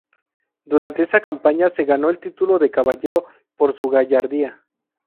Durante esa campaña se ganó el título de Caballero por su gallardía.